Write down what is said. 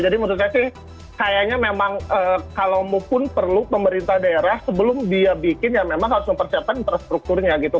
menurut saya sih kayaknya memang kalaupun perlu pemerintah daerah sebelum dia bikin ya memang harus mempersiapkan infrastrukturnya gitu